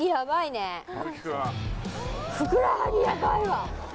ふくらはぎヤバいわ。